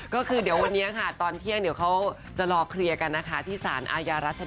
ก็คือเดี๋ยววันนี้ตอนเที่ยงเขาจะหลอกเรียกกันนะคะที่สานอาญารัชดา